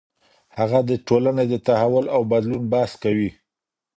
هغه د ټولنې د تحول او بدلون بحث کوي.